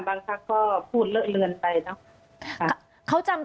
อันดับที่สุดท้าย